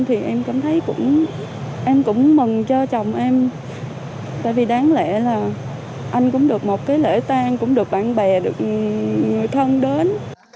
thì em cũng mừng cho chồng em tại vì đáng lẽ là anh cũng được một lễ tan cũng được bạn bè được người thân đến